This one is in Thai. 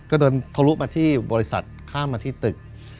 ก็เดินทะลุมาที่บริษัทข้ามมาที่ตึก